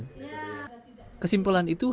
kesimpulan dari penyakit demam babi afrika adalah